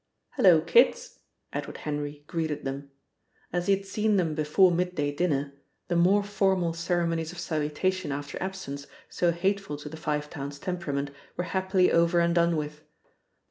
"Hello, kids!" Edward Henry greeted them. As he had seen them before midday dinner, the more formal ceremonies of salutation after absence, so hateful to the Five Towns temperament, were happily over and done with.